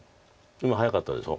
今早かったでしょ？